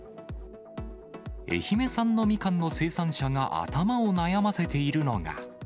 愛媛産のみかんの生産者が頭を悩ませているのが。